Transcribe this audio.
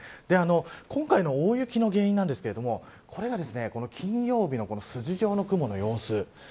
今回の大雪の原因なんですけれどもこれが金曜日のこの筋状の雲の様子。